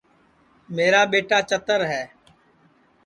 میرا ٻیٹا چتر ہے